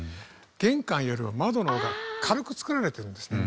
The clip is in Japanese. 玄関よりは窓の方が軽く作られてるんですね。